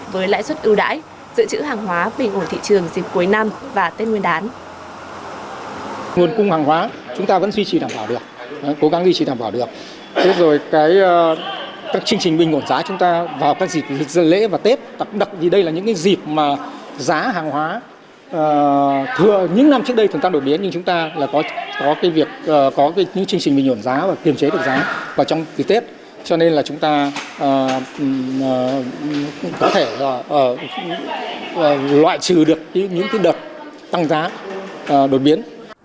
với lãi suất ưu đãi dự trữ hàng hóa bình ổn thị trường dịp cuối năm và tết nguyên đán